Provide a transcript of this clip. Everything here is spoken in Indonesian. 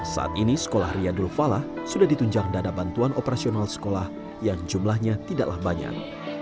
saat ini sekolah riyadul falah sudah ditunjang dana bantuan operasional sekolah yang jumlahnya tidaklah banyak